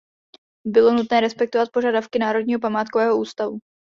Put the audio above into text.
Bylo nutné respektovat požadavky Národního památkového ústavu.